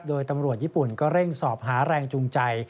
โดยตำรวจญี่ปุ่นก็เร่งสอบหาแรงจูงใจ